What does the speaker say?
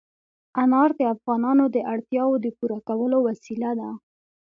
انار د افغانانو د اړتیاوو د پوره کولو وسیله ده.